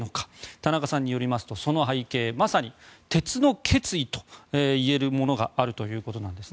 田中さんによると、その背景はまさに鉄の決意といえるものがあるということです。